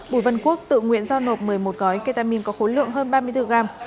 bùi văn quốc tự nguyện giao nộp một mươi một gói ketamin có khối lượng hơn ba mươi bốn gram